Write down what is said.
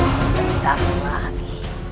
sebelum kau lagi